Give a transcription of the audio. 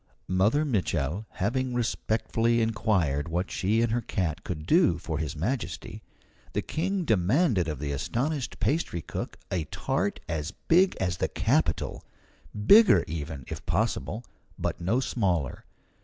Mother Mitchel having respectfully inquired what she and her cat could do for His Majesty, the King demanded of the astonished pastry cook a tart as big as the capitol bigger even, if possible, but no smaller!